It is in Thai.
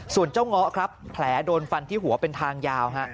ส่วนเจ้าเงาะครับแผลโดนฟันที่หัวเป็นทางยาว